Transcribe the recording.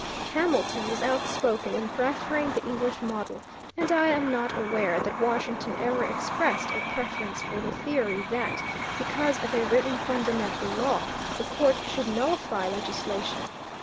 Hamilton was outspoken in preferring the English model, and I am not aware that Washington ever expressed a preference for the theory that, because of a written fundamental law, the court should nullify legislation.